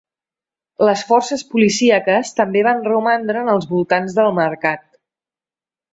Les forces policíaques també van romandre en els voltants del mercat.